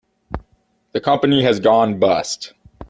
The company has gone bust.